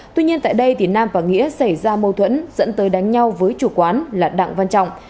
tuy nhiên tại đây nam và nghĩa xảy ra mâu thuẫn dẫn tới đánh nhau với chủ quán là đặng văn trọng